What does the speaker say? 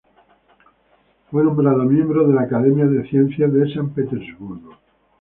Fue nombrado miembro de la Academia de de Ciencias de San Petersburgo.